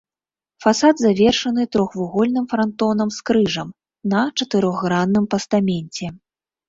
Фасад завершаны трохвугольным франтонам з крыжам на чатырохгранным пастаменце.